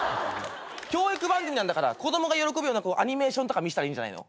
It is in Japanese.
教育番組なんだから子供が喜ぶようなアニメーションとか見せたらいいんじゃないの？